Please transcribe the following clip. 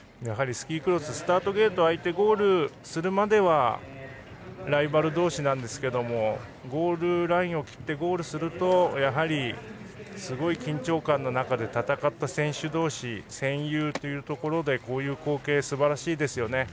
やはりスキークロススタートゲートが開いてゴールするまではライバル同士なんですけれどもゴールラインを切ってゴールするとやはり、すごい緊張感の中で戦った選手同士戦友ということで、こういう光景すばらしいですよね。